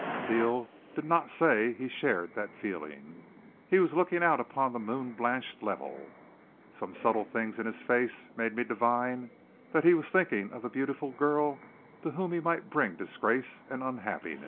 Steele did not say he shared that feeling. He was looking out upon the moon blanched level. Some subtle thing in his face made me divine that he was thinking of the beautiful girl to whom he might bring disgrace and unhappiness.